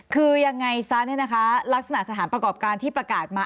คือยังไงซะเนี่ยนะคะลักษณะสถานประกอบการที่ประกาศมา